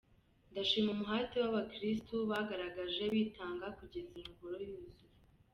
Ndashima umuhate w’abakirisitu bagaragaje bitanga kugeza iyi ngoro yuzuye.